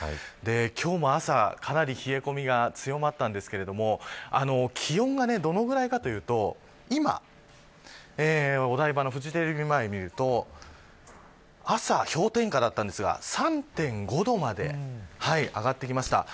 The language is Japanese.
今日も朝は、かなり冷え込みが強まったんですけど気温がどのぐらいかというと今、お台場のフジテレビ前を見ると朝は氷点下でしたが３．５度まで上がってきました。